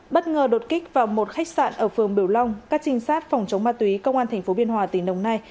bất ngờ đột kích vào một khách sạn ở phường biểu long các trinh sát phòng chống ma túy công an tp biên hòa tỉnh đồng nai